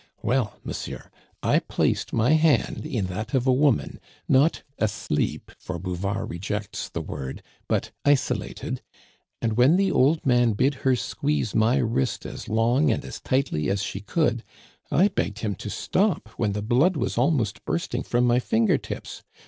Well, monsieur, I placed my hand in that of a woman, not asleep, for Bouvard rejects the word, but isolated, and when the old man bid her squeeze my wrist as long and as tightly as she could, I begged him to stop when the blood was almost bursting from my finger tips.